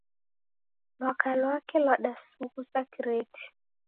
Lwaka lwake Iw'adasughusa kireti